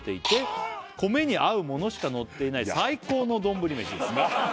かっ「米に合うものしかのっていない最高の丼飯です」